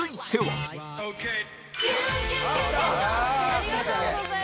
「ありがとうございます」